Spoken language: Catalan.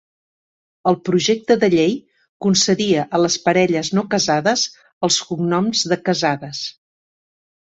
El projecte de llei concedia a les parelles no casades els cognoms de casades.